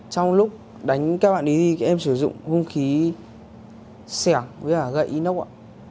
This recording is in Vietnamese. trong lúc đánh các bạn ấy thì em sử dụng hông khí sẻng với gậy inox ạ